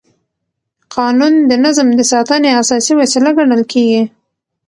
قانون د نظم د ساتنې اساسي وسیله ګڼل کېږي.